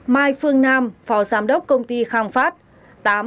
bảy mai phương nam phó giám đốc công ty khang phát